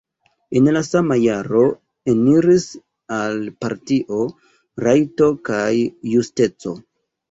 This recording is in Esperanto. En la sama jaro eniris al partio Rajto kaj Justeco.